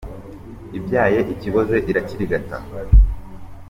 Ibyaye ikiboze irakirigata.